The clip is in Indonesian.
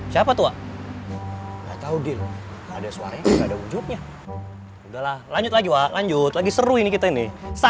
siapa tua nggak tahu ada suara ada wujudnya udah lanjut lagi lanjut lagi seru ini kita ini satu ratus dua puluh tiga